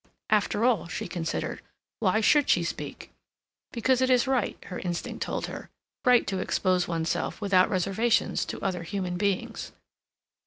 After all, she considered, why should she speak? Because it is right, her instinct told her; right to expose oneself without reservations to other human beings.